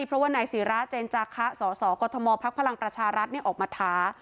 เพราะว่าไหนสีร้าเจนจักรสสกทมพกรชารัฐน์เนี่ยออกมาท้า